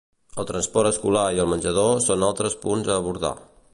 El transport escolar i el menjador són altres punts a abordar.